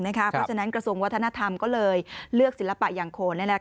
เพราะฉะนั้นกระทรวงวัฒนธรรมก็เลยเลือกศิลปะอย่างโคน